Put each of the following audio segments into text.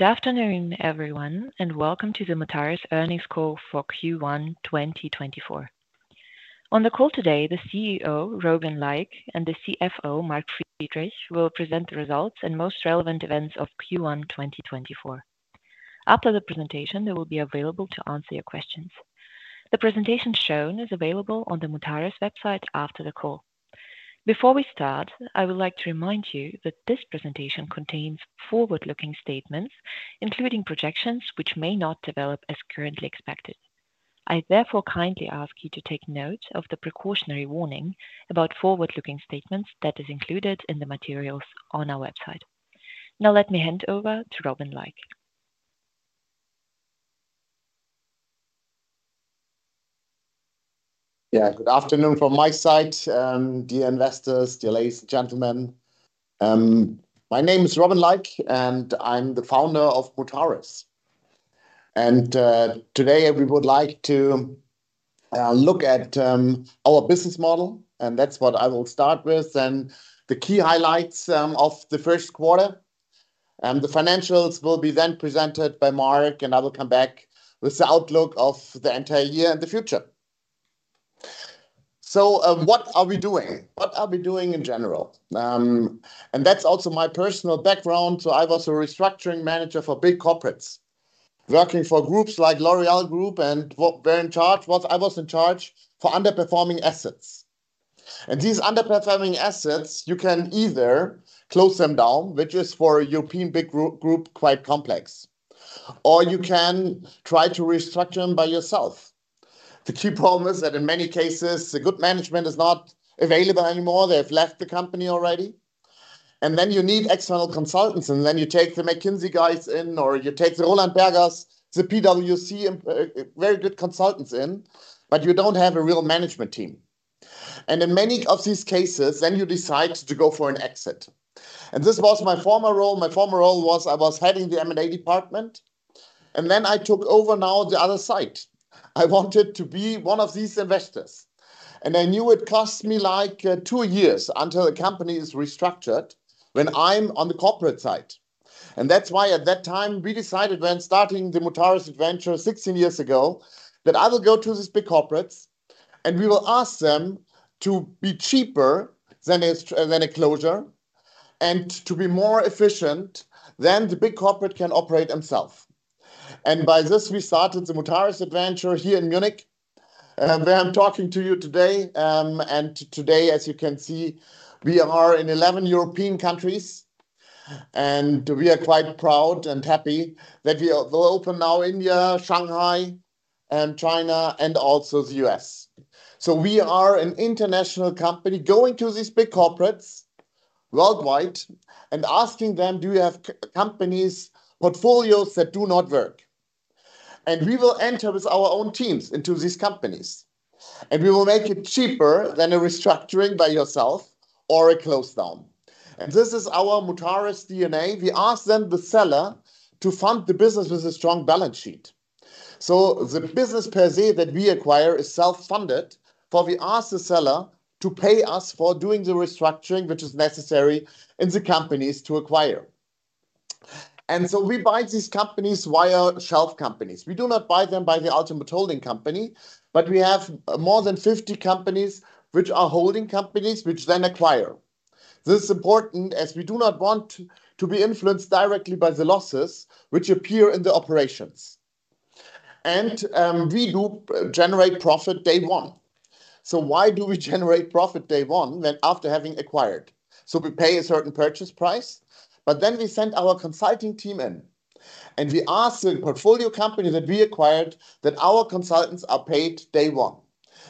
Good afternoon, everyone, and welcome to the Mutares earnings call for Q1 2024. On the call today, the CEO, Robin Laik, and the CFO, Mark Friedrich, will present the results and most relevant events of Q1 2024. After the presentation, they will be available to answer your questions. The presentation shown is available on the Mutares website after the call. Before we start, I would like to remind you that this presentation contains forward-looking statements, including projections which may not develop as currently expected. I therefore kindly ask you to take note of the precautionary warning about forward-looking statements that is included in the materials on our website. Now let me hand over to Robin Laik. Yeah, good afternoon from my side, dear investors, dear ladies, gentlemen. My name is Robin Laik, and I'm the founder of Mutares. Today we would like to look at our business model, and that's what I will start with, then the key highlights of the first quarter. The financials will be then presented by Mark, and I will come back with the outlook of the entire year in the future. So, what are we doing? What are we doing in general? That's also my personal background, so I was a restructuring manager for big corporates, working for groups like L'Oréal Group, and where I was in charge for underperforming assets. These underperforming assets, you can either close them down, which is for a European big group quite complex, or you can try to restructure them by yourself. The key problem is that in many cases, the good management is not available anymore. They have left the company already. And then you need external consultants, and then you take the McKinsey guys in, or you take the Roland Berger, the PwC, very good consultants in, but you don't have a real management team. And in many of these cases, then you decide to go for an exit. And this was my former role. My former role was I was heading the M&A department, and then I took over now the other side. I wanted to be one of these investors, and I knew it costs me like, two years until the company is restructured when I'm on the corporate side. And that's why at that time we decided when starting the Mutares adventure 16 years ago that I will go to these big corporates, and we will ask them to be cheaper than a shutdown than a closure and to be more efficient than the big corporate can operate themselves. And by this we started the Mutares adventure here in Munich, where I'm talking to you today, and today as you can see we are in 11 European countries, and we are quite proud and happy that we will open now India, Shanghai, China, and also the US. So we are an international company going to these big corporates worldwide and asking them, "Do you have carve-out companies portfolios that do not work?" And we will enter with our own teams into these companies, and we will make it cheaper than a restructuring by yourself or a close down. This is our Mutares DNA. We ask then the seller to fund the business with a strong balance sheet. The business per se that we acquire is self-funded, for we ask the seller to pay us for doing the restructuring which is necessary in the companies to acquire. We buy these companies via shelf companies. We do not buy them by the ultimate holding company, but we have more than 50 companies which are holding companies which then acquire. This is important as we do not want to be influenced directly by the losses which appear in the operations. We do generate profit day one. Why do we generate profit day one when after having acquired? So we pay a certain purchase price, but then we send our consulting team in, and we ask the portfolio company that we acquired that our consultants are paid day one.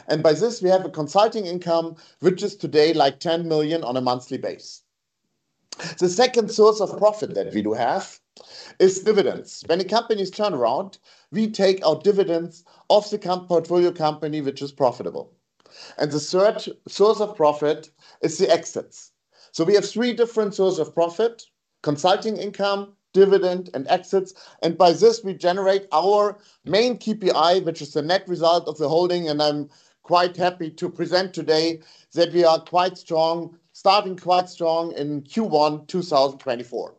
And by this we have a consulting income which is today like 10 million on a monthly basis. The second source of profit that we do have is dividends. When a company's turned around, we take our dividends off the company portfolio company which is profitable. And the third source of profit is the exits. So we have three different sources of profit: consulting income, dividend, and exits. And by this we generate our main KPI which is the net result of the holding, and I'm quite happy to present today that we are quite strong, starting quite strong in Q1 2024.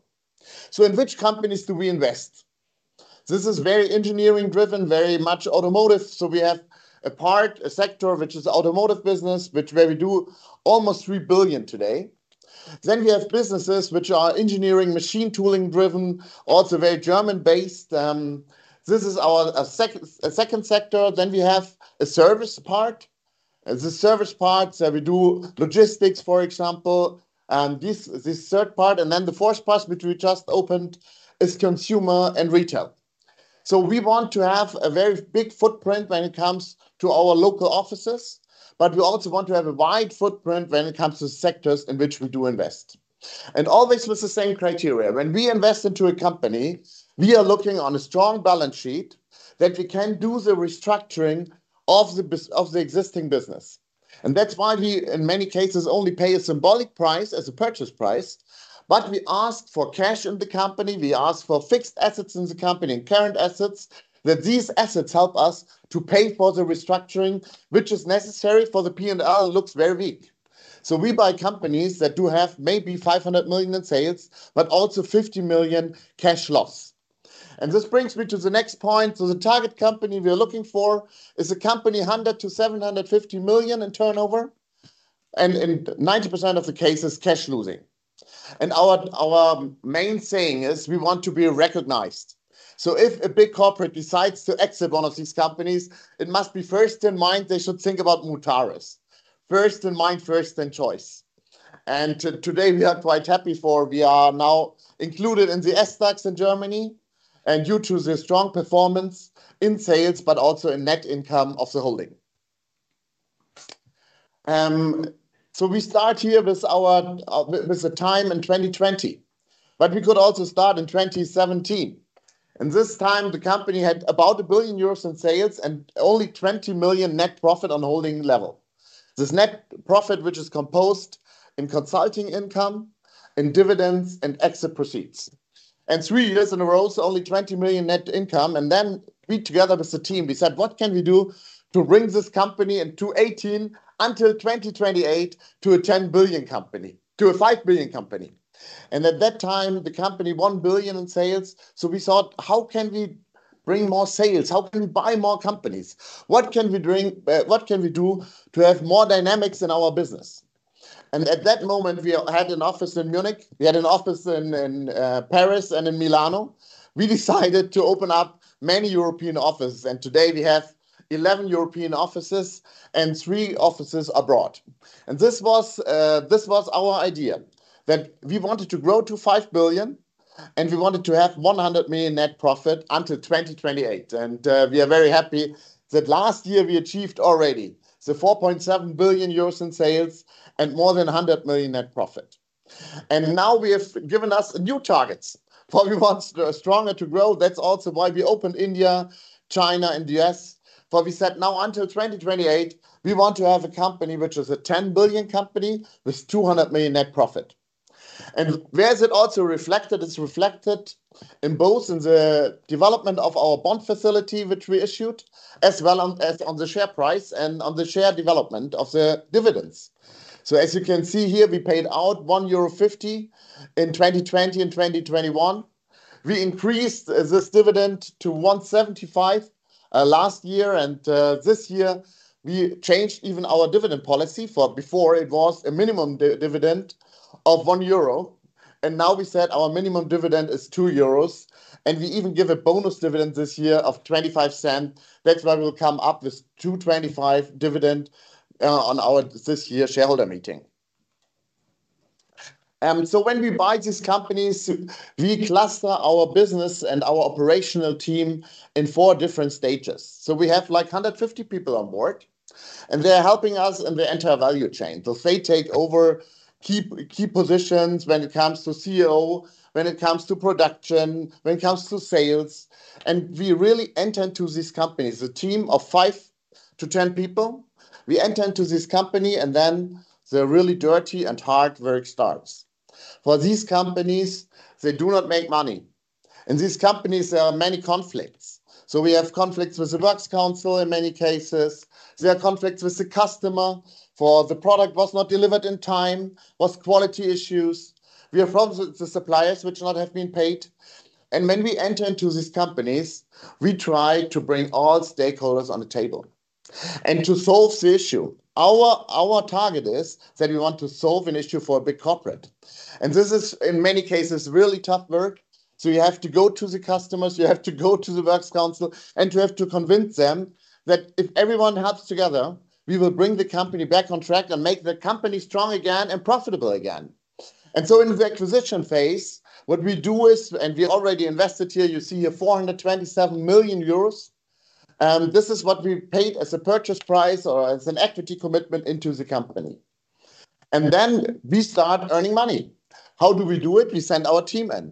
So in which companies do we invest? This is very engineering-driven, very much automotive. So we have a part, a sector which is automotive business where we do almost 3 billion today. Then we have businesses which are engineering, machine tooling-driven, also very German-based. This is our second sector. Then we have a service part. The service parts that we do logistics, for example, this third part, and then the fourth part which we just opened is consumer and retail. So we want to have a very big footprint when it comes to our local offices, but we also want to have a wide footprint when it comes to the sectors in which we do invest. And always with the same criteria. When we invest into a company, we are looking on a strong balance sheet that we can do the restructuring of the business of the existing business. And that's why we in many cases only pay a symbolic price as a purchase price, but we ask for cash in the company. We ask for fixed assets in the company and current assets that these assets help us to pay for the restructuring which is necessary for the P&L looks very weak. So we buy companies that do have maybe 500 million in sales, but also 50 million cash loss. And this brings me to the next point. So the target company we are looking for is a company 100 million-750 million in turnover and in 90% of the cases cash losing. And our, our main saying is we want to be recognized. So if a big corporate decides to exit one of these companies, it must be first in mind they should think about Mutares. First in mind, first in choice. Today we are quite happy for we are now included in the SDAX in Germany and due to the strong performance in sales, but also in net income of the holding. So we start here with our, with, with the time in 2020, but we could also start in 2017. This time the company had about 1 billion euros in sales and only 20 million net profit on holding level. This net profit which is composed in consulting income, in dividends, and exit proceeds. Three years in a row, so only 20 million net income. Then we together with the team, we said, "What can we do to bring this company in 2018 until 2028 to a 10 billion company, to a 5 billion company?" And at that time the company had one billion in sales. So we thought, "How can we bring more sales? How can we buy more companies? What can we bring, what can we do to have more dynamics in our business?" And at that moment we had an office in Munich. We had an office in Paris and in Milano. We decided to open up many European offices. And today we have 11 European offices and three offices abroad. And this was our idea that we wanted to grow to 5 billion and we wanted to have 100 million net profit until 2028. And we are very happy that last year we achieved already the 4.7 billion euros in sales and more than 100 million net profit. And now we have given us new targets, for we want stronger to grow. That's also why we opened India, China, and the U.S., for we said now until 2028 we want to have a company which is a 10 billion company with 200 million net profit. And where is it also reflected? It's reflected in both in the development of our bond facility which we issued, as well as on the share price and on the share development of the dividends. So as you can see here, we paid out 1.50 euro in 2020 and 2021. We increased this dividend to 1.75 last year, and this year we changed even our dividend policy for before it was a minimum dividend of 1 euro. And now we said our minimum dividend is 2 euros. And we even give a bonus dividend this year of 0.25. That's why we will come up with 2.25 dividend on our this year shareholder meeting. So when we buy these companies, we cluster our business and our operational team in four different stages. So we have like 150 people on board, and they're helping us in the entire value chain. They'll say take over key, key positions when it comes to CEO, when it comes to production, when it comes to sales. And we really enter into these companies, a team of 5-10 people. We enter into this company, and then the really dirty and hard work starts. For these companies, they do not make money. In these companies, there are many conflicts. So we have conflicts with the works council in many cases. There are conflicts with the customer for the product was not delivered in time, was quality issues. We have problems with the suppliers which not have been paid. When we enter into these companies, we try to bring all stakeholders on the table and to solve the issue. Our, our target is that we want to solve an issue for a big corporate. This is in many cases really tough work. So you have to go to the customers, you have to go to the works council, and you have to convince them that if everyone helps together, we will bring the company back on track and make the company strong again and profitable again. So in the acquisition phase, what we do is, and we already invested here, you see here 427 million euros. This is what we paid as a purchase price or as an equity commitment into the company. And then we start earning money. How do we do it? We send our team in,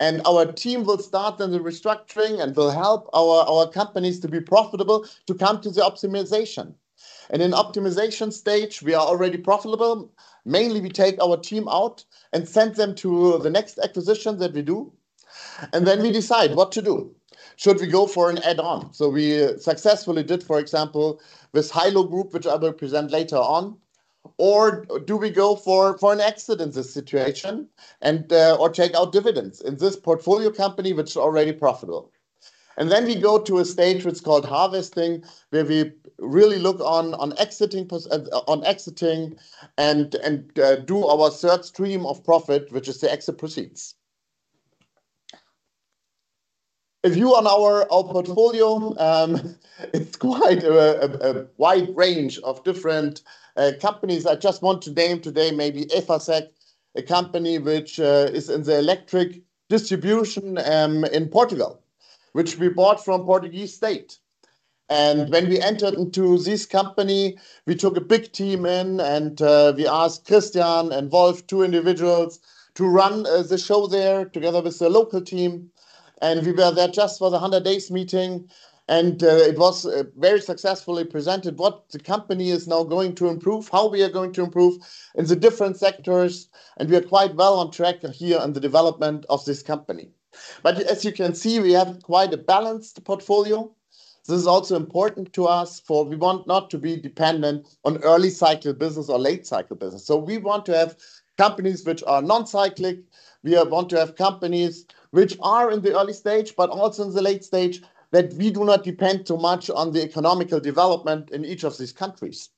and our team will start then the restructuring and will help our companies to be profitable to come to the optimization. In optimization stage, we are already profitable. Mainly we take our team out and send them to the next acquisition that we do, and then we decide what to do. Should we go for an add-on? So we successfully did, for example, with HILO Group, which I will present later on, or do we go for an exit in this situation and, or take out dividends in this portfolio company which is already profitable? Then we go to a stage which is called harvesting where we really look on exiting and do our third stream of profit which is the exit proceeds. If you look on our portfolio, it's quite a wide range of different companies. I just want to name today maybe Efacec, a company which is in the electric distribution in Portugal, which we bought from the Portuguese State. When we entered into this company, we took a big team in and we asked Christian and Wolf, two individuals, to run the show there together with the local team. We were there just for the 100 days meeting, and it was very successfully presented what the company is now going to improve, how we are going to improve in the different sectors. We are quite well on track here in the development of this company. But as you can see, we have quite a balanced portfolio. This is also important to us for we want not to be dependent on early cycle business or late cycle business. So we want to have companies which are non-cyclic. We want to have companies which are in the early stage, but also in the late stage that we do not depend too much on the economic development in each of these countries.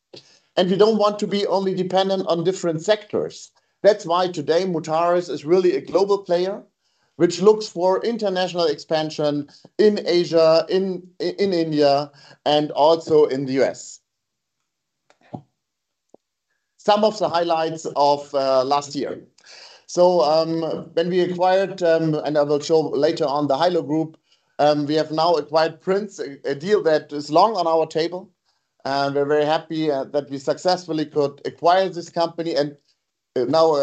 And we don't want to be only dependent on different sectors. That's why today Mutares is really a global player which looks for international expansion in Asia, in, in, in India, and also in the US. Some of the highlights of last year. So, when we acquired, and I will show later on the HILO Group, we have now acquired Prinz, a deal that is long on our table, and we're very happy that we successfully could acquire this company and now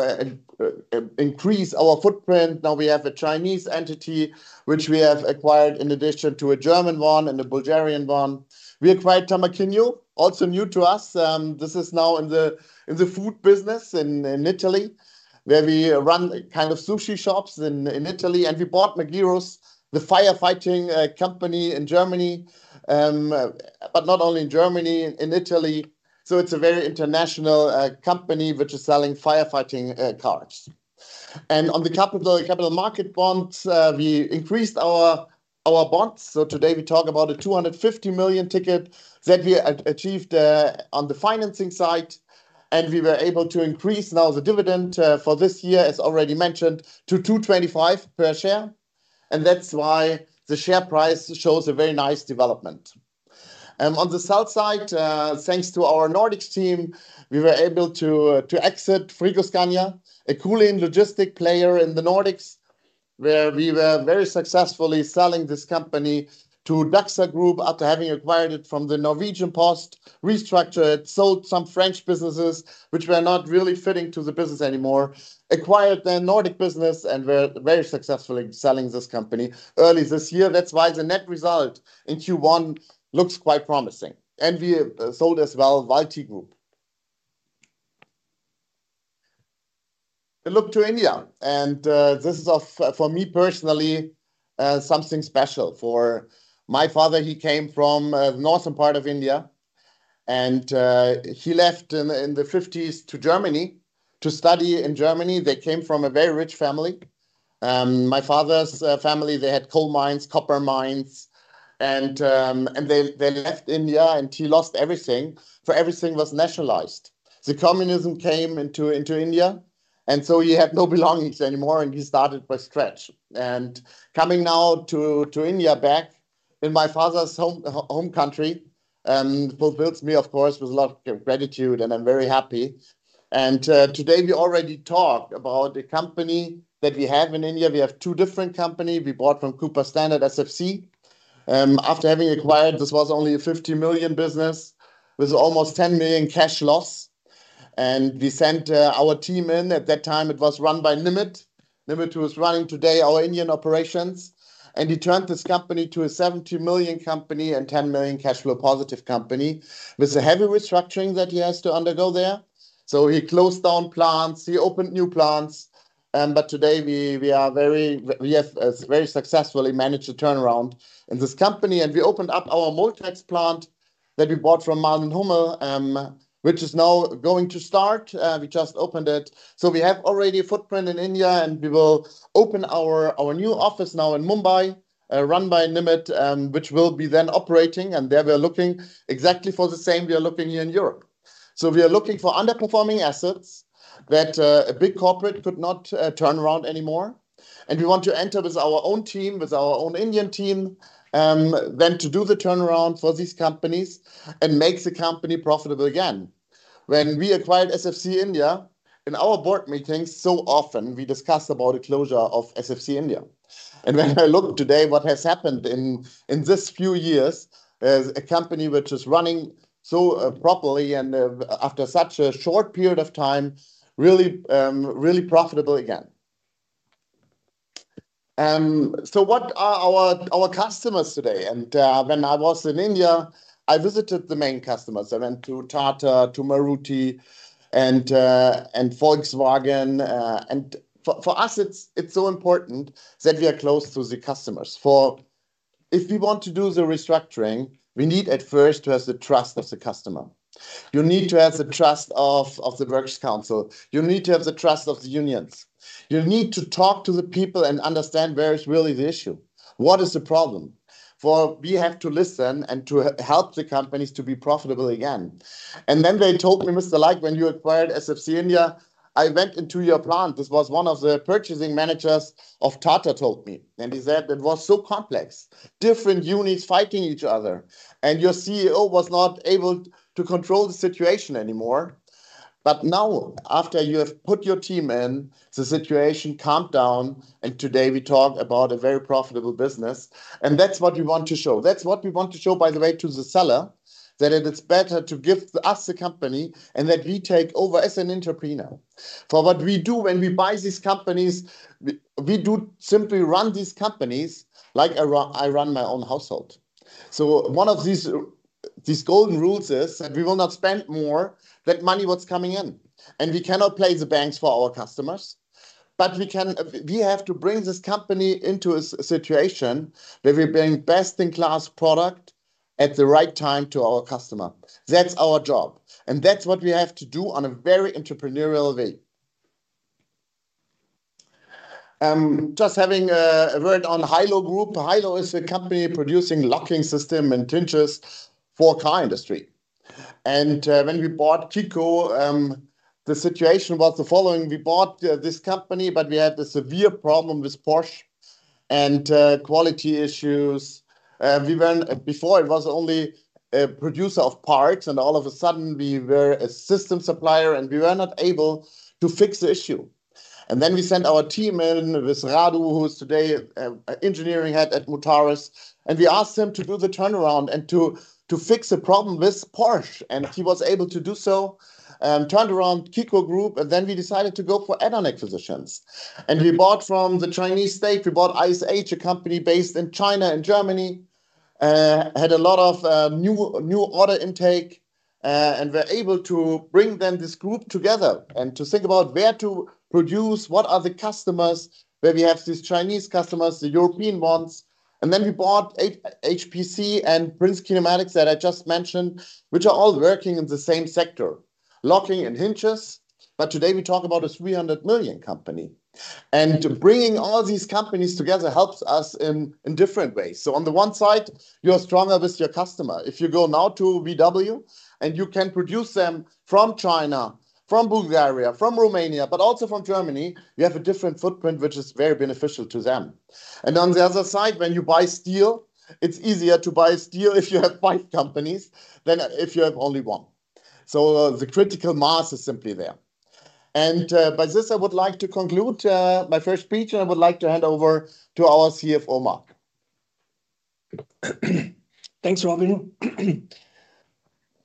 increase our footprint. Now we have a Chinese entity which we have acquired in addition to a German one and a Bulgarian one. We acquired Temakinho, also new to us. This is now in the food business in Italy where we run kind of sushi shops in Italy. And we bought Magirus, the firefighting company in Germany, but not only in Germany, in Italy. So it's a very international company which is selling firefighting cars. And on the capital market bonds, we increased our bonds. So today we talk about a 250 million ticket that we achieved on the financing side, and we were able to increase now the dividend for this year, as already mentioned, to 2.25 per share. And that's why the share price shows a very nice development. On the sell side, thanks to our Nordics team, we were able to to exit Frigoscandia, a cooling logistic player in the Nordics where we were very successfully selling this company to Dachser after having acquired it from the Norwegian Post, restructured it, sold some French businesses which were not really fitting to the business anymore, acquired the Nordic business, and we're very successfully selling this company early this year. That's why the net result in Q1 looks quite promising. We sold as well Valti. Look to India, and this is of, for me personally, something special for my father. He came from the northern part of India, and he left in the 50s to Germany to study in Germany. They came from a very rich family. My father's family, they had coal mines, copper mines, and they left India, and he lost everything for everything was nationalized. Communism came into India, and so he had no belongings anymore, and he started from scratch. Coming now to India back in my father's home country fulfills me, of course, with a lot of gratitude, and I'm very happy. Today we already talk about the company that we have in India. We have two different companies. We bought SFC from Cooper Standard after having acquired, this was only a 50 million business with almost 10 million cash loss. We sent our team in. At that time, it was run by Nimit. Nimit was running today our Indian operations, and he turned this company to a 70 million company and 10 million cash flow positive company with a heavy restructuring that he has to undergo there. So he closed down plants, he opened new plants. But today we, we are very, we have very successfully managed the turnaround in this company, and we opened up our MoldTecs plant that we bought from Mann+Hummel, which is now going to start. We just opened it. So we have already a footprint in India, and we will open our, our new office now in Mumbai, run by Nimit, which will be then operating. And there we are looking exactly for the same we are looking here in Europe. So we are looking for underperforming assets that, a big corporate could not, turn around anymore. We want to enter with our own team, with our own Indian team, then to do the turnaround for these companies and make the company profitable again. When we acquired SFC India, in our board meetings, so often we discuss about the closure of SFC India. And when I look today what has happened in, in this few years as a company which is running so, properly and, after such a short period of time, really, really profitable again. So what are our, our customers today? And, when I was in India, I visited the main customers. I went to Tata, to Maruti, and, and Volkswagen. And for, for us, it's, it's so important that we are close to the customers. For if we want to do the restructuring, we need at first to have the trust of the customer. You need to have the trust of the works council. You need to have the trust of the unions. You need to talk to the people and understand where is really the issue. What is the problem? For we have to listen and to help the companies to be profitable again. And then they told me, Mr. Laik, when you acquired SFC India, I went into your plant. This was one of the purchasing managers of Tata told me, and he said it was so complex, different units fighting each other, and your CEO was not able to control the situation anymore. But now, after you have put your team in, the situation calmed down, and today we talk about a very profitable business. And that's what we want to show. That's what we want to show, by the way, to the seller, that it is better to give us the company and that we take over as an entrepreneur. For what we do when we buy these companies, we do simply run these companies like I run my own household. So one of these, these golden rules is that we will not spend more than money what's coming in, and we cannot play the banks for our customers. But we can, we have to bring this company into a situation where we bring best in class product at the right time to our customer. That's our job, and that's what we have to do on a very entrepreneurial way. Just having a word on HILO Group. HILO is a company producing locking system and hinges for car industry. And, when we bought KICO, the situation was the following. We bought this company, but we had a severe problem with Porsche and quality issues. We were before; it was only a producer of parts, and all of a sudden we were a system supplier, and we were not able to fix the issue. Then we sent our team in with Radu, who is today an engineering head at Mutares, and we asked him to do the turnaround and to fix the problem with Porsche. And he was able to do so, turned around KICO Group, and then we decided to go for add-on acquisitions. And we bought from the Chinese state. We bought ISH, a company based in China and Germany, had a lot of new order intake, and were able to bring then this group together and to think about where to produce, what are the customers where we have these Chinese customers, the European ones. And then we bought HPC and Prinz Kinematics that I just mentioned, which are all working in the same sector, locking and hinges. But today we talk about a 300 million company, and bringing all these companies together helps us in different ways. So on the one side, you are stronger with your customer. If you go now to VW and you can produce them from China, from Bulgaria, from Romania, but also from Germany, you have a different footprint which is very beneficial to them. And on the other side, when you buy steel, it's easier to buy steel if you have five companies than if you have only one. So the critical mass is simply there. And by this, I would like to conclude my first speech, and I would like to hand over to our CFO, Mark. Thanks, Robin.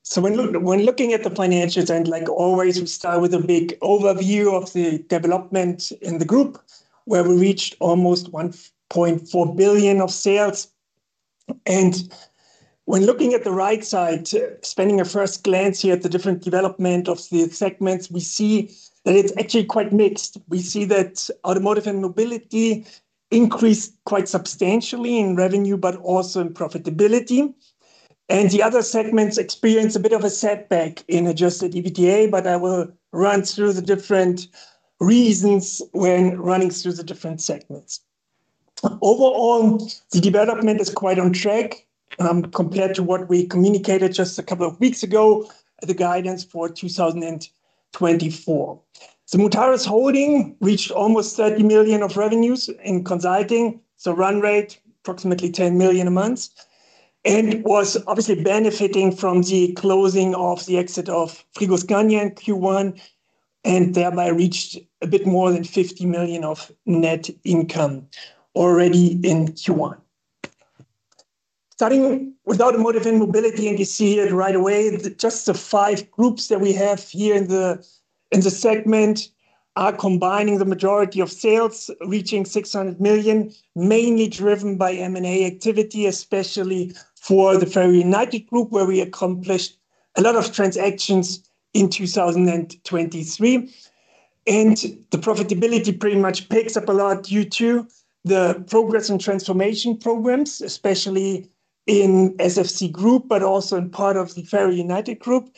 So when looking at the financials, and like always, we start with a big overview of the development in the group where we reached almost 1.4 billion of sales. And when looking at the right side, taking a first glance here at the different development of the segments, we see that it's actually quite mixed. We see that automotive and mobility increased quite substantially in revenue, but also in profitability. The other segments experience a bit of a setback in Adjusted EBITDA, but I will run through the different reasons when running through the different segments. Overall, the development is quite on track, compared to what we communicated just a couple of weeks ago, the guidance for 2024. Mutares Holding reached almost 30 million of revenues in consulting, so run rate approximately 10 million a month, and was obviously benefiting from the closing of the exit of Frigoscandia in Q1 and thereby reached a bit more than 50 million of net income already in Q1. Starting with automotive and mobility, and you see it right away, just the five groups that we have here in the segment are combining the majority of sales, reaching 600 million, mainly driven by M&A activity, especially for the FerrAl United Group where we accomplished a lot of transactions in 2023. The profitability pretty much picks up a lot due to the progress and transformation programs, especially in SFC Group, but also in part of the FerrAl United Group.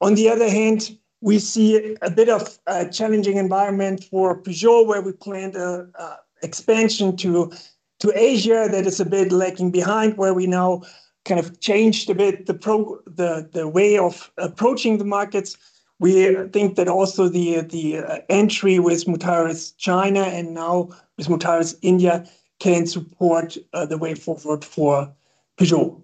On the other hand, we see a bit of a challenging environment for Peugeot where we planned an expansion to Asia that is a bit lagging behind, where we now kind of changed a bit the way of approaching the markets. We think that also the entry with Mutares China and now with Mutares India can support the way forward for Peugeot.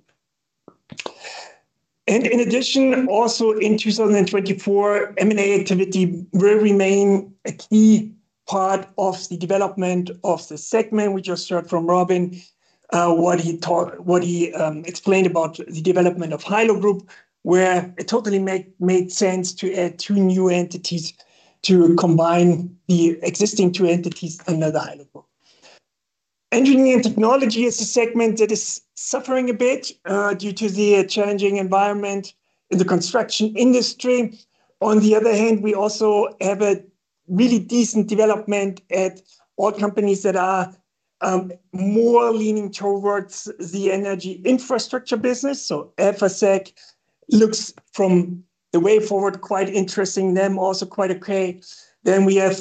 In addition, also in 2024, M&A activity will remain a key part of the development of the segment. We just heard from Robin what he talked, what he explained about the development of HILO Group, where it totally made sense to add two new entities to combine the existing two entities under the HILO Group. Engineering and technology is a segment that is suffering a bit due to the challenging environment in the construction industry. On the other hand, we also have a really decent development at all companies that are more leaning towards the energy infrastructure business. So Efacec looks from the way forward quite interesting, them also quite okay. Then we have,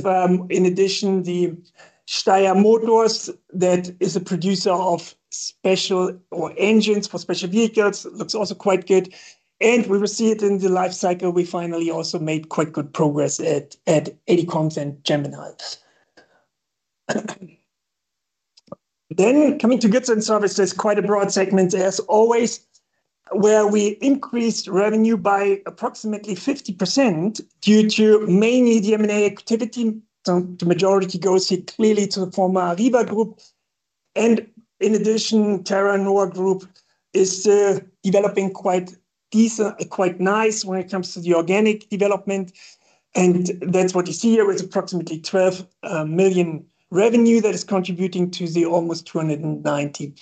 in addition, the Steyr Motors that is a producer of special engines for special vehicles looks also quite good. We will see it in the lifecycle. We finally also made quite good progress at ADComms and Gemini. Then coming to goods and services, quite a broad segment, as always, where we increased revenue by approximately 50% due to mainly the M&A activity. So the majority goes here clearly to the former Arriva Group. And in addition, Terranor Group is developing quite decent, quite nice when it comes to the organic development. And that's what you see here with approximately 12 million revenue that is contributing to the almost 290 million.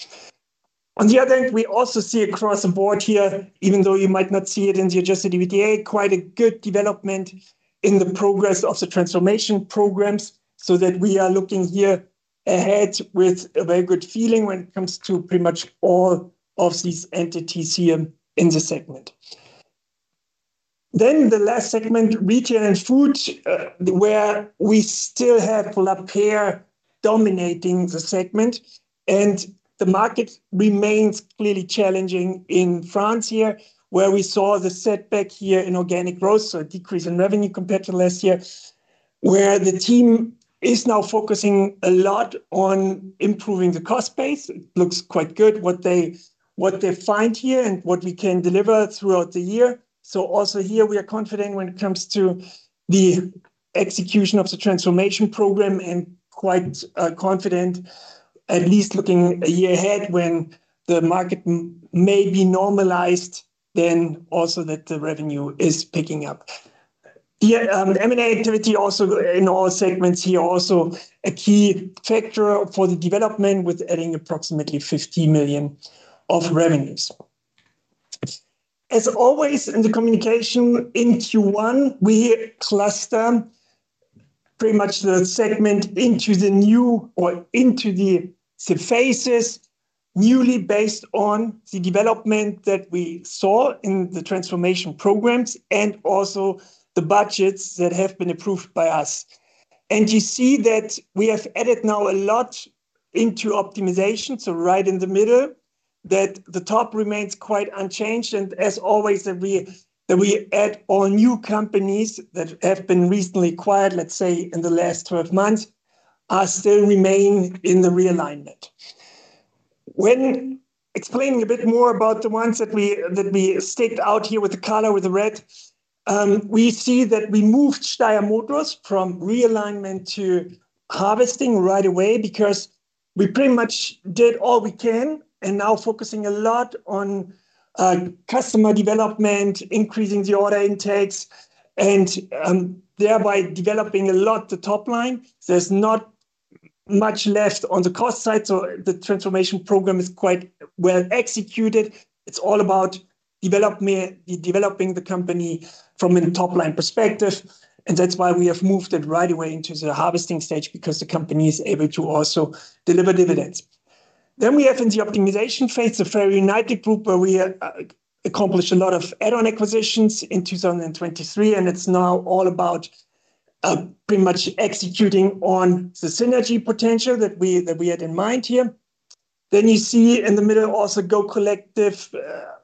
On the other hand, we also see across the board here, even though you might not see it in the Adjusted EBITDA, quite a good development in the progress of the transformation programs so that we are looking here ahead with a very good feeling when it comes to pretty much all of these entities here in the segment. Then the last segment, retail and food, where we still have Lapeyre dominating the segment, and the market remains clearly challenging in France here where we saw the setback here in organic growth, so a decrease in revenue compared to last year where the team is now focusing a lot on improving the cost base. It looks quite good what they find here and what we can deliver throughout the year. So also here we are confident when it comes to the execution of the transformation program and quite confident, at least looking a year ahead when the market may be normalized, then also that the revenue is picking up. The M&A activity also in all segments here, also a key factor for the development with adding approximately 50 million of revenues. As always in the communication in Q1, we cluster pretty much the segment into the new or into the phases newly based on the development that we saw in the transformation programs and also the budgets that have been approved by us. You see that we have added now a lot into optimization. Right in the middle, that the top remains quite unchanged. As always, that we add all new companies that have been recently acquired, let's say in the last 12 months, are still remain in the realignment. When explaining a bit more about the ones that we stuck out here with the color with the red, we see that we moved Steyr Motors from realignment to harvesting right away because we pretty much did all we can and now focusing a lot on customer development, increasing the order intakes, and thereby developing a lot the top line. There's not much left on the cost side. So the transformation program is quite well executed. It's all about development, developing the company from a top line perspective. That's why we have moved it right away into the harvesting stage because the company is able to also deliver dividends. Then we have in the optimization phase, the FerrAl United Group where we accomplish a lot of add-on acquisitions in 2023, and it's now all about, pretty much executing on the synergy potential that we had in mind here. Then you see in the middle also GoCollective,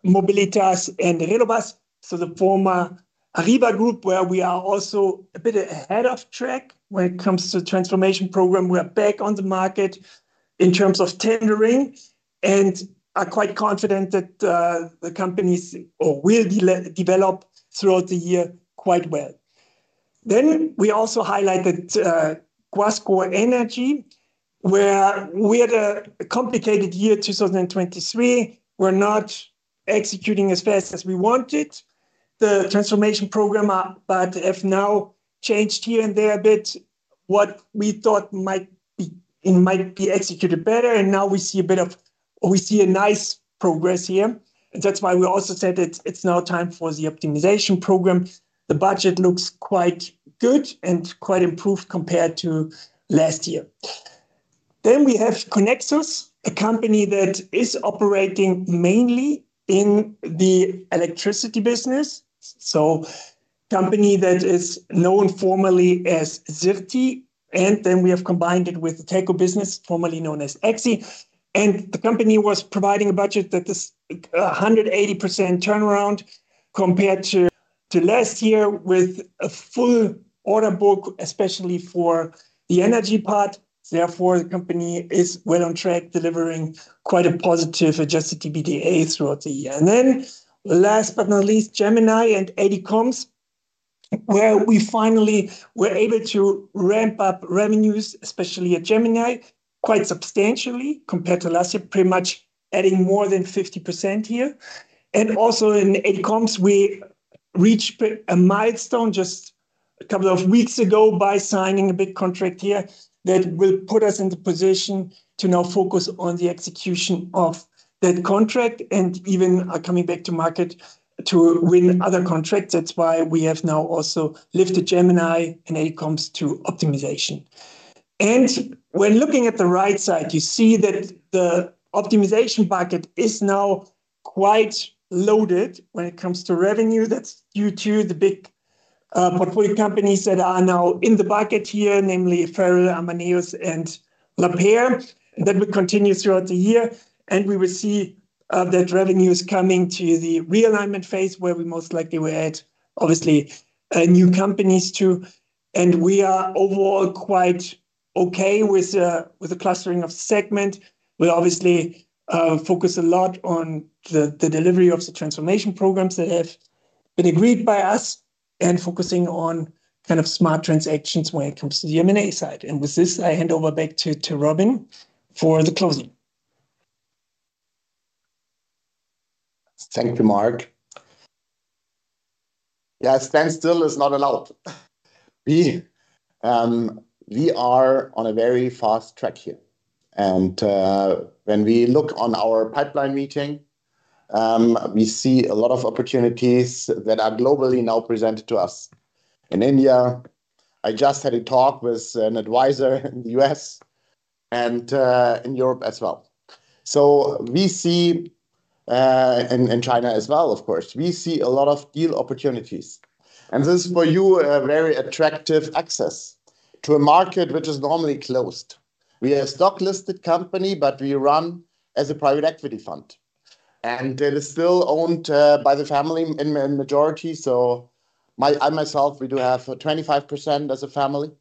Mobilitas and Relobus. So the former Arriva Group where we are also a bit ahead of track when it comes to transformation program. We are back on the market in terms of tendering and are quite confident that, the companies will develop throughout the year quite well. Then we also highlighted, Guascor Energy where we had a complicated year, 2023. We're not executing as fast as we wanted the transformation program, but have now changed here and there a bit what we thought might be executed better. Now we see a bit of or we see a nice progress here. That's why we also said it's now time for the optimization program. The budget looks quite good and quite improved compared to last year. We have Conexus, a company that is operating mainly in the electricity business, so a company that is known formally as Sirti. Then we have combined it with the telco business, formerly known as EXI. The company was providing a budget that is 180% turnaround compared to last year with a full order book, especially for the energy part. Therefore, the company is well on track delivering quite a positive adjusted EBITDA throughout the year. And then last but not least, Gemini and ADComms where we finally were able to ramp up revenues, especially at Gemini, quite substantially compared to last year, pretty much adding more than 50% here. Also in ADComms, we reached a milestone just a couple of weeks ago by signing a big contract here that will put us in the position to now focus on the execution of that contract and even coming back to market to win other contracts. That's why we have now also lifted Gemini and ADComms to optimization. When looking at the right side, you see that the optimization bucket is now quite loaded when it comes to revenue. That's due to the big portfolio companies that are now in the bucket here, namely FerrAl, Amaneos, and Lapeyre, and that will continue throughout the year. We will see that revenue is coming to the realignment phase where we most likely will add, obviously, new companies too. We are overall quite okay with a clustering of segment. We obviously focus a lot on the delivery of the transformation programs that have been agreed by us and focusing on kind of smart transactions when it comes to the M&A side. With this, I hand o ver back to Robin for the closing. Thank you, Mark. Yeah, standstill is not allowed. We are on a very fast track here. When we look on our pipeline meeting, we see a lot of opportunities that are globally now presented to us in India. I just had a talk with an advisor in the U.S. and in Europe as well. So we see in China as well, of course, we see a lot of deal opportunities. And this is for you a very attractive access to a market which is normally closed. We are a stock-listed company, but we run as a private equity fund, and it is still owned by the family in majority. So I myself we do have 25% as a family,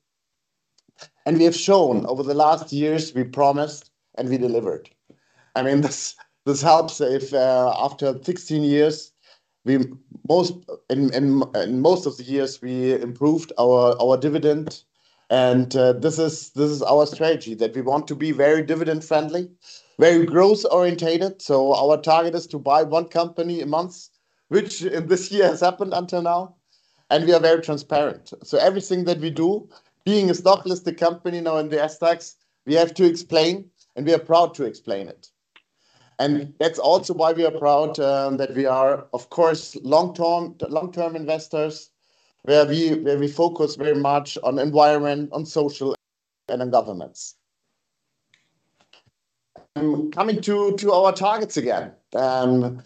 and we have shown over the last years we promised and we delivered. I mean, this helps if, after 16 years, in most of the years we improved our dividend. And this is our strategy that we want to be very dividend-friendly, very growth-oriented. So our target is to buy one company a month, which in this year has happened until now, and we are very transparent. So everything that we do, being a stock-listed company now in the SDAX, we have to explain, and we are proud to explain it. That's also why we are proud that we are, of course, long-term investors where we focus very much on environment, on social, and on governance. I'm coming to our targets again. We are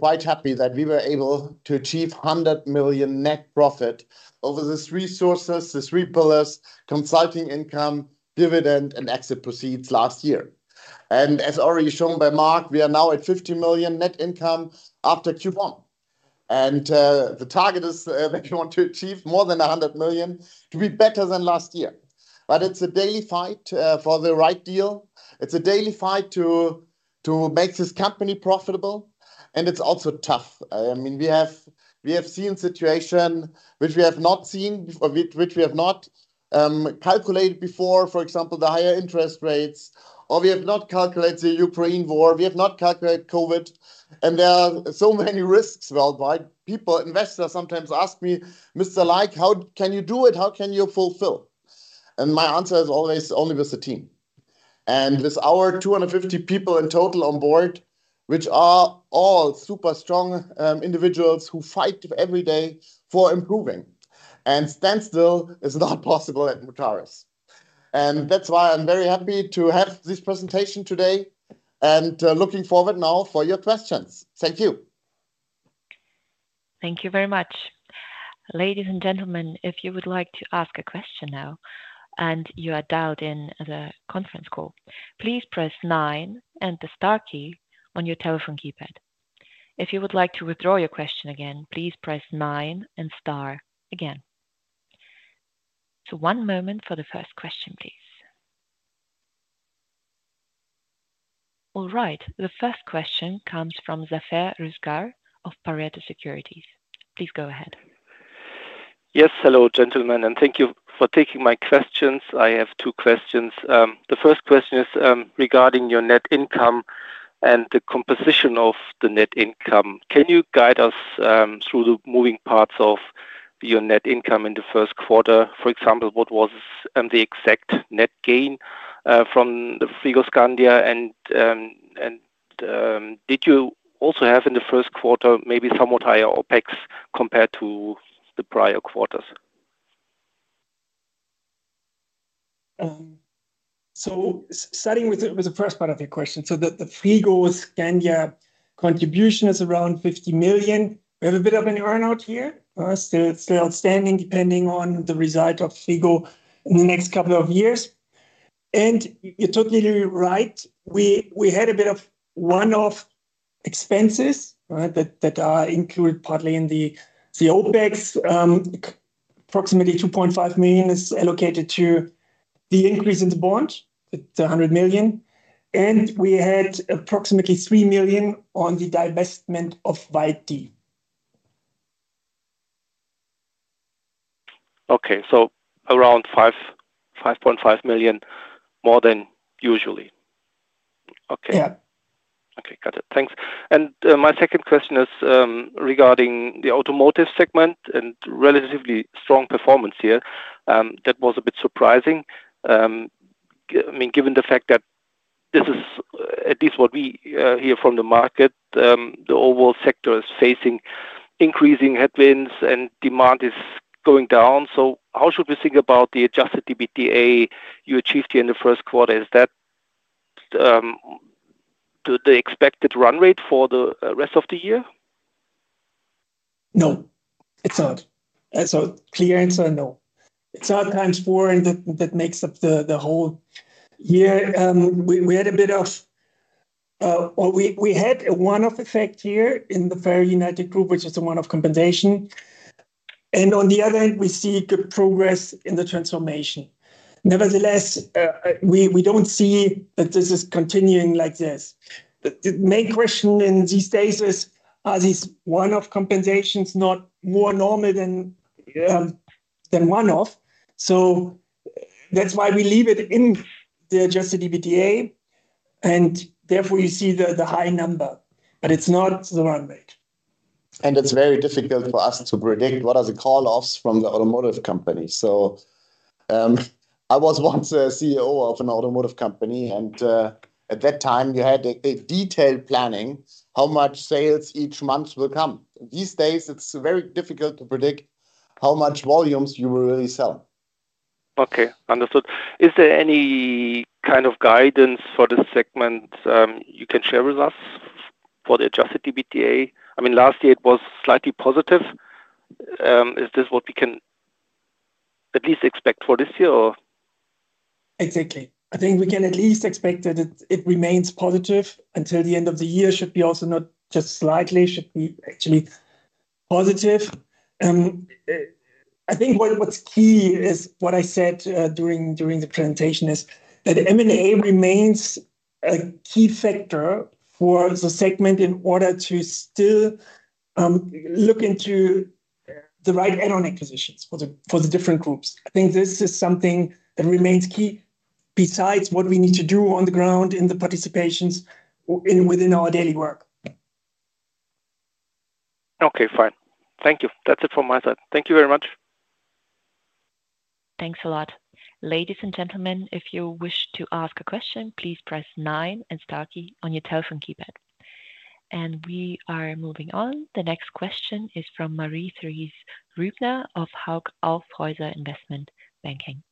quite happy that we were able to achieve 100 million net profit across these resources, the three pillars, consulting income, dividend, and exit proceeds last year. And as already shown by Mark, we are now at 50 million net income after Q1. The target is that we want to achieve more than 100 million to be better than last year. But it's a daily fight for the right deal. It's a daily fight to make this company profitable. And it's also tough. I mean, we have we have seen situations which we have not seen before, which we have not calculated before, for example, the higher interest rates, or we have not calculated the Ukraine war. We have not calculated COVID. And there are so many risks. Worldwide, people, investors sometimes ask me, Mr. Laik, how can you do it? How can you fulfill? And my answer is always only with the team and with our 250 people in total on board, which are all super strong individuals who fight every day for improving. And stand still is not possible at Mutares. And that's why I'm very happy to have this presentation today and looking forward now for your questions. Thank you. Thank you very much. Ladies and gentlemen, if you would like to ask a question now and you are dialed in the conference call, please press nine and the star key on your telephone keypad. If you would like to withdraw your question again, please press nine and star again. So one moment for the first question, please. All right. The first question comes from Zafer Rüzgar from Pareto Securities. Please go ahead. Yes. Hello, gentlemen, and thank you for taking my questions. I have two questions. The first question is regarding your net income and the composition of the net income. Can you guide us through the moving parts of your net income in the first quarter? For example, what was the exact net gain from Frigoscandia? And did you also have in the first quarter maybe somewhat higher OpEx compared to the prior quarters? So starting with the first part of your question, so the Frigoscandia contribution is around 50 million. We have a bit of an earnout here, still outstanding depending on the result of Frigoscandia in the next couple of years. And you're totally right. We had a bit of one-off expenses that are included partly in the OPEX. Approximately 2.5 million is allocated to the increase in the bond, the 100 million. And we had approximately 3 million on the divestment of Valti. Okay. So around 5.5 million more than usually. Okay. Yeah. Okay. Got it. Thanks. And my second question is regarding the automotive segment and relatively strong performance here. That was a bit surprising. I mean, given the fact that this is at least what we hear from the market, the overall sector is facing increasing headwinds and demand is going down. So how should we think about the adjusted EBITDA you achieved here in the first quarter? Is that the expected run rate for the rest of the year? No, it's not. So clear answer, no. It's not 4x that makes up the whole year. We had a one-off effect here in the FerrAl United Group, which is the one-off compensation. And on the other end, we see good progress in the transformation. Nevertheless, we don't see that this is continuing like this. The main question in these days is, are these one-off compensations not more normal than one-off? So that's why we leave it in the adjusted EBITDA. And therefore, you see the high number, but it's not the run rate. And it's very difficult for us to predict what are the call-offs from the automotive companies. So I was once a CEO of an automotive company, and at that time, you had a detailed planning how much sales each month will come. These days, it's very difficult to predict how much volumes you will really sell. Okay. Understood. Is there any kind of guidance for this segment you can share with us for the Adjusted EBITDA? I mean, last year, it was slightly positive. Is this what we can at least expect for this year, or? Exactly. I think we can at least expect that it remains positive until the end of the year. Should be also not just slightly, should be actually positive. I think what's key is what I said during the presentation is that M&A remains a key factor for the segment in order to still look into the right add-on acquisitions for the different groups. I think this is something that remains key besides what we need to do on the ground in the participations within our daily work. Okay. Fine. Thank you. That's it from my side. Thank you very much. Thanks a lot. Ladies and gentlemen, if you wish to ask a question, please press nine and star key on your telephone keypad. We are moving on. The next question is from Marie-Thérèse Grübner of Hauck Aufhäuser Investment Banking.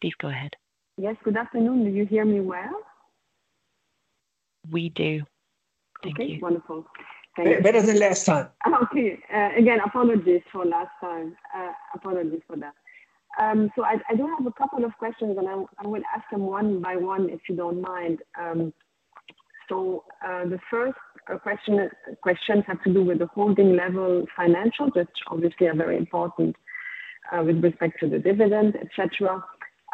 Please go ahead. Yes. Good afternoon. Do you hear me well? We do. Thank you. Okay. Wonderful. Thanks. Better than last time. Okay. Again, apologies for last time. Apologies for that. So I do have a couple of questions, and I will ask them one by one if you don't mind. So the first question has to do with the holding level financials, which obviously are very important with respect to the dividend, etc.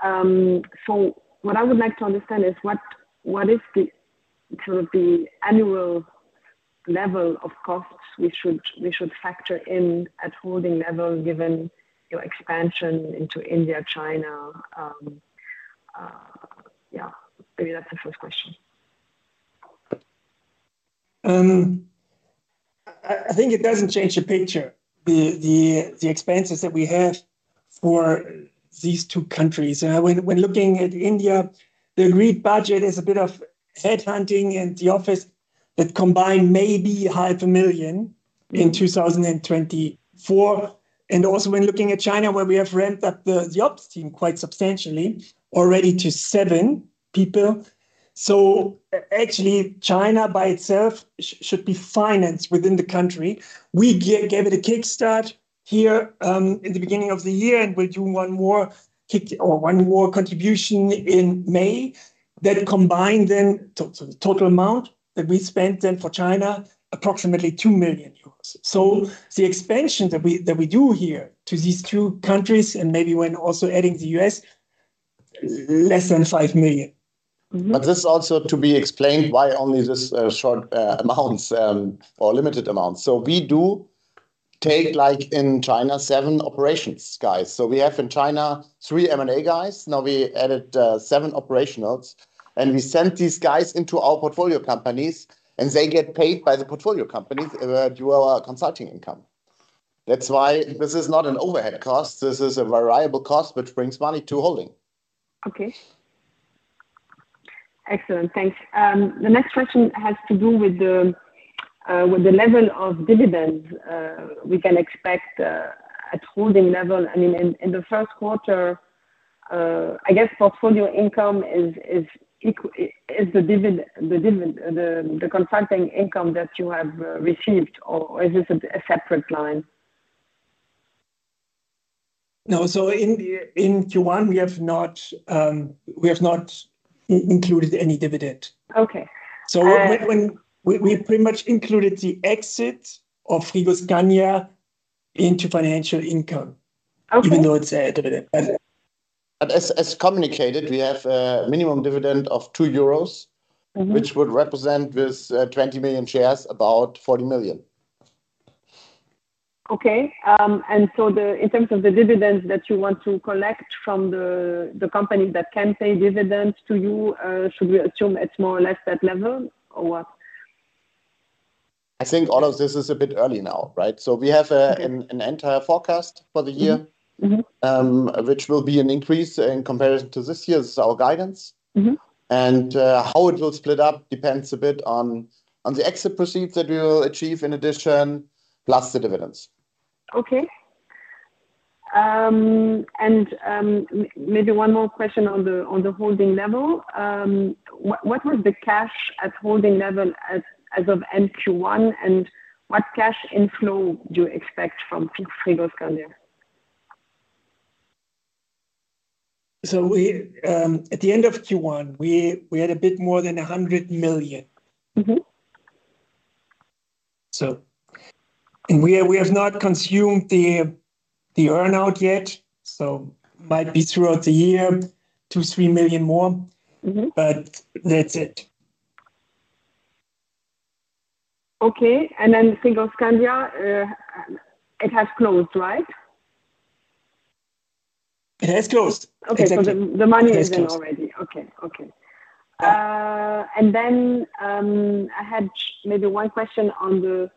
So what I would like to understand is what is the sort of the annual level of costs we should factor in at holding level given your expansion into India, China? Yeah. Maybe that's the first question. I think it doesn't change the picture. The expenses that we have for these two countries. When looking at India, the agreed budget is a bit of headhunting and the office that combined maybe 500,000 in 2024. And also when looking at China, where we have ramped up the ops team quite substantially already to seven people. So actually, China by itself should be financed within the country. We gave it a kickstart here in the beginning of the year and will do one more or one more contribution in May that combined then the total amount that we spent then for China, approximately 2 million euros. So the expansion that we do here to these two countries and maybe when also adding the U.S., less than 5 million. But this is also to be explained why only these short amounts or limited amounts. So we do take, like in China, seven operations guys. So we have in China three M&A guys. Now we added seven operationals, and we sent these guys into our portfolio companies, and they get paid by the portfolio companies to our consulting income. That's why this is not an overhead cost. This is a variable cost which brings money to holding. Okay. Excellent. Thanks. The next question has to do with the level of dividends we can expect at holding level. I mean, in the first quarter, I guess portfolio income is the consulting income that you have received, or is this a separate line? No. So in Q1, we have not included any dividend. So we pretty much included the exit of Frigoscandia into financial income, even though it's a dividend. But as communicated, we have a minimum dividend of 2 euros, which would represent with 20 million shares, about 40 million. Okay. And so in terms of the dividends that you want to collect from the companies that can pay dividends to you, should we assume it's more or less that level, or what? I think all of this is a bit early now, right? So we have an entire forecast for the year, which will be an increase in comparison to this year. This is our guidance. And how it will split up depends a bit on the exit proceeds that we will achieve in addition, plus the dividends. Okay. And maybe one more question on the holding level. What was the cash at holding level as of end Q1, and what cash inflow do you expect from Frigoscandia? So at the end of Q1, we had a bit more than 100 million. So. And we have not consumed the earnout yet. So might be throughout the year, 2-3 million more, but that's it. Okay. And then Frigoscandia, it has closed, right? It has closed. Exactly. Okay. So the money is in already. Okay. Okay. And then I had maybe one question on the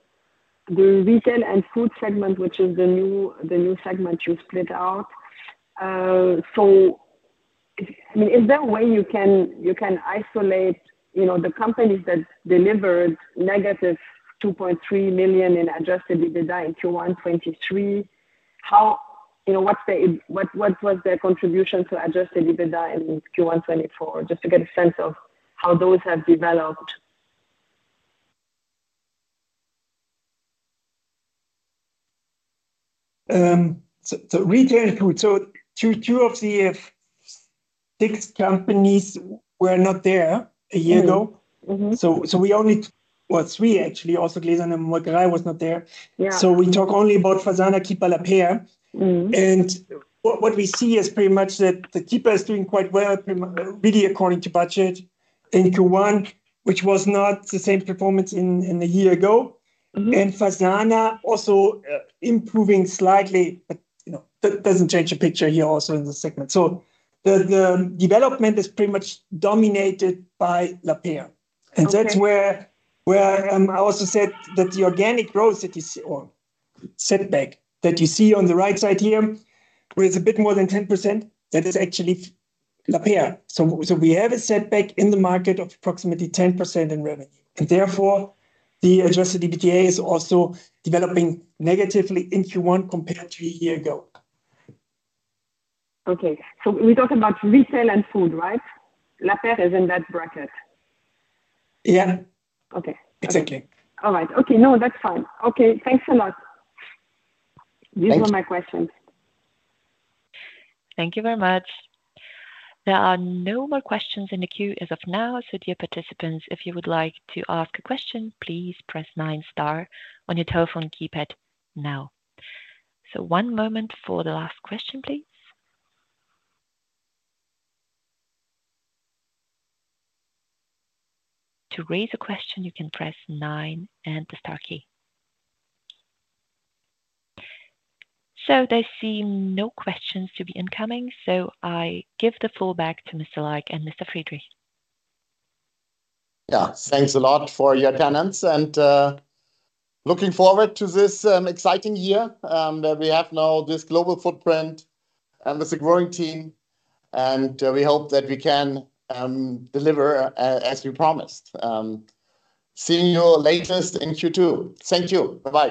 retail and food segment, which is the new segment you split out. So I mean, is there a way you can isolate the companies that delivered negative 2.3 million in adjusted EBITDA in Q1 2023? What was their contribution to adjusted EBITDA in Q1 2024, just to get a sense of how those have developed? So retail and food. So two of the six companies were not there a year ago. So we only. Well, three, actually. Also, Gläser and Magirus was not there. So we talk only about Fasana, keeeper, Lapeyre. And what we see is pretty much that the keeeper is doing quite well, really according to budget in Q1, which was not the same performance in a year ago. And Fasana also improving slightly, but that doesn't change the picture here also in the segment. So the development is pretty much dominated by Lapeyre. And that's where I also said that the organic growth that you see or setback that you see on the right side here where it's a bit more than 10%, that is actually Lapeyre. So we have a setback in the market of approximately 10% in revenue. And therefore, the adjusted EBITDA is also developing negatively in Q1 compared to a year ago. Okay. So we talked about retail and food, right? Lapeyre is in that bracket. Yeah. Exactly. All right. Okay. No, that's fine. Okay. Thanks a lot. These were my questions. Thank you very much. There are no more questions in the queue as of now. So dear participants, if you would like to ask a question, please press nine star on your telephone keypad now. So one moment for the last question, please. To raise a question, you can press nine and the star key. So there seem to be no questions to be incoming. So I give the floor back to Mr. Laik and Mr. Friedrich. Yeah. Thanks a lot for your attendance and looking forward to this exciting year where we have now this global footprint and this growing team. And we hope that we can deliver as we promised. See you at the latest in Q2. Thank you. Bye-bye.